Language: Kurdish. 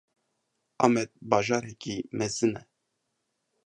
Amed bajarekî mezin e.